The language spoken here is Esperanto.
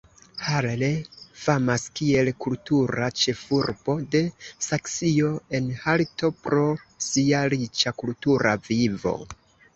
Halle famas kiel "kultura ĉefurbo" de Saksio-Anhalto pro sia riĉa kultura vivo.